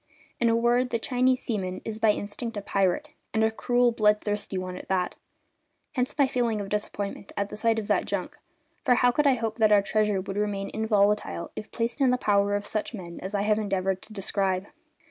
In a word, the Chinese seaman is by instinct a pirate, and a cruel, bloodthirsty one at that; hence my feeling of disappointment at the sight of that junk; for how could I hope that our treasure would remain inviolate if placed in the power of such men as I have endeavoured to describe?